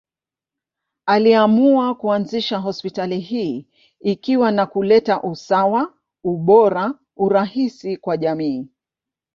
Aliamua kuanzisha hospitali hii ikiwa ni kuleta usawa, ubora, urahisi kwa jamii.